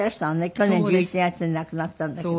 去年１１月に亡くなったんだけど。